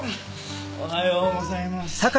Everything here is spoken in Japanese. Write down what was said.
おはようございます。